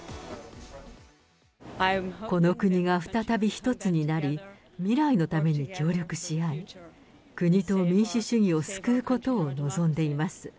この国が再び一つになり、未来のために協力し合い、国と民主主義を救うことを望んでいます。